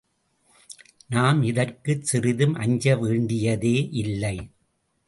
நாம் இதற்குச் சிறிதும் அஞ்ச வேண்டியதே இல்லை.